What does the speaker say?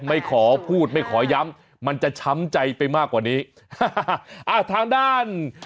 ไม่ขอพูดไม่ขอย้ำมันจะช้ำใจไปมากกว่านี้อ่าทางด้าน